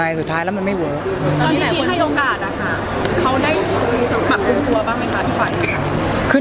สาเหตุหลักคืออะไรหรอครับผมว่าเราก็ไม่คอมิวนิเคทกัน